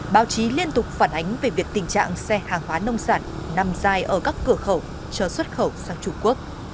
báo chí liên tục phản ánh về việc tình trạng xe hàng hóa nông sản nằm dài ở các cửa khẩu cho xuất khẩu sang trung quốc